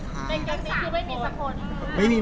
จะเป็นกัน๓คน